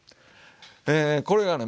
えこれがね